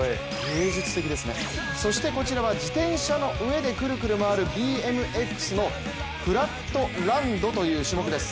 そしてこちらは自転車の上でくるくる回るＢＭＸのフラットランドという種目です。